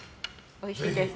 おいしいです。